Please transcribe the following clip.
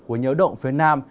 của nhiễu động phía nam